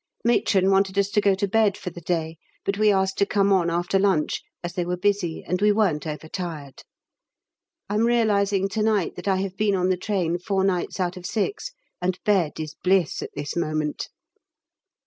Matron wanted us to go to bed for the day; but we asked to come on after lunch, as they were busy and we weren't overtired. I'm realising to night that I have been on the train four nights out of six, and bed is bliss at this moment.